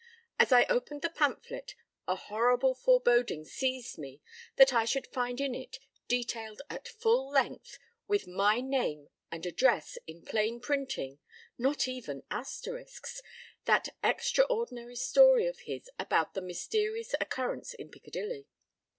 As I opened the pamphlet, a horrible foreboding seized me that I should find in it, detailed at full length, with my name and address in plain printing (not even asterisks), that extraordinary story of his about the mysterious occurrence in Piccadilly.